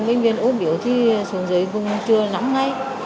bệnh viện ú biểu thì xuống dưới vùng trường năm ngày